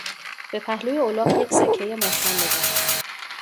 به پهلوی الاغ یک سکهی محکم بزن!